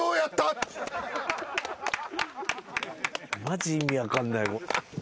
マジ意味分かんない。